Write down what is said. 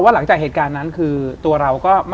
หลังจากเหตุการณ์นั้นคือ